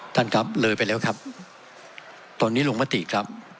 ท่านครับเลยไปแล้วครับตอนนี้ลงมติครับ